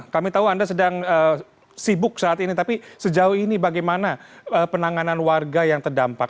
kami tahu anda sedang sibuk saat ini tapi sejauh ini bagaimana penanganan warga yang terdampak